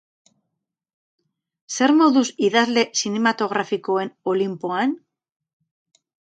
Zer moduz idazle zinematografikoen olinpoan?